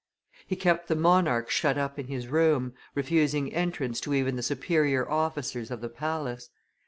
He kept the monarch shut up in his room, refusing entrance to even the superior officers of the palace.